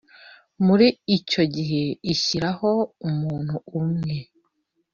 Muri icyo gihe ishyiraho umuntu umwe